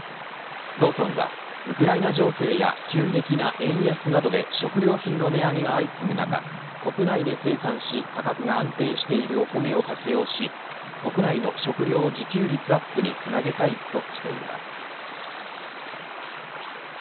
ローソンはウクライナ情勢や急激な円安などで食料品の値上げが相次ぐ中国内で生産し価格が安定している米を活用し国内の食料自給率アップにつなげたいとしています。